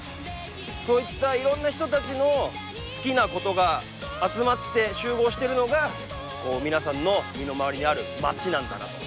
そういったいろんな人たちの好きなことが集まって集合してるのが皆さんの身の回りにある街なんだなと。